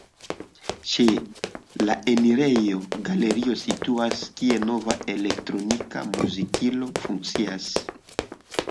Ĉe la enirejo galerio situas, kie nova elektronika muzikilo funkcias.